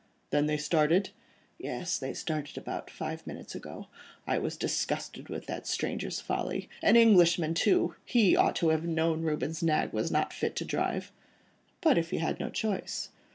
"Then they started?" "Yes, they started about five minutes ago. I was disgusted with that stranger's folly. An Englishman too!—He ought to have known Reuben's nag was not fit to drive." "But if he had no choice?"